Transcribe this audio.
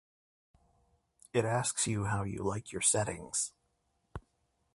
It asks you how you like your settings